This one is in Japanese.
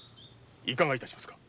いかが致しますか？